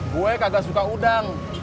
gue kagak suka udang